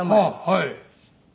はい。